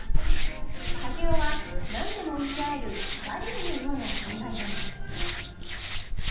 竹雄は何でも言い合えるバディーのような存在です。